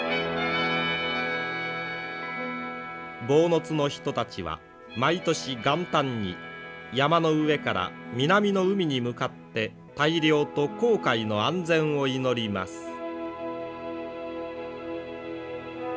坊津の人たちは毎年元旦に山の上から南の海に向かって大漁と航海の安全を祈ります。